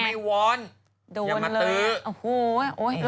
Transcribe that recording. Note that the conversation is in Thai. ยังมาตื๊ะ